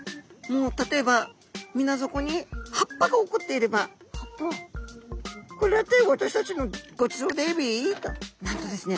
例えば水底に葉っぱが落っこっていれば「これって私たちのごちそうだエビ」となんとですね